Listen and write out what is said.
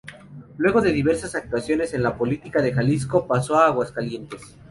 Luego de diversas actuaciones en la política de Jalisco pasó a Aguascalientes.